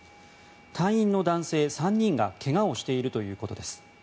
隊員の男性３人が怪我をしているということです。